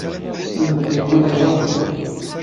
Ameddakel-inu yebɣa akeffay.